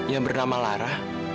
yang bernama lara